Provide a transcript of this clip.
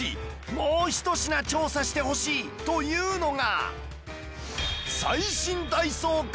もう１品調査してほしいというのが